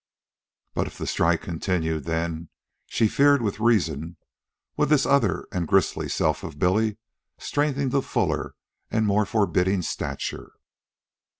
But if the strike continued, then, she feared, with reason, would this other and grisly self of Billy strengthen to fuller and more forbidding stature.